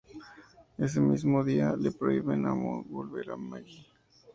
Ese mismo día le prohíben a Moe volver a ver a Maggie.